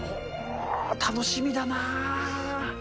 楽しみだな。